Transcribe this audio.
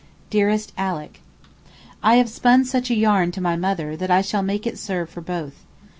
DEAREST ALICK, I have spun such a yarn to my mother that I shall make it serve for both.